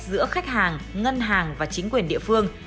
giữa khách hàng ngân hàng và chính quyền địa phương